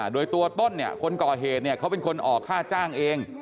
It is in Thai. โดยตัวต้นคนก่อเหตุเขาเป็นคนออกค่าจ้างเอง